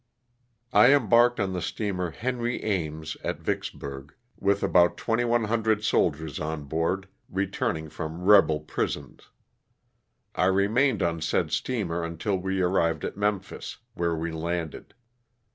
T EMBARKED on the steamer *' Henry Aims" at ^ Vicksburg, with about 2,100 soldiers on board returning from rebel prisons. I remained on said steamer until we arrived at Memphis, where we landed.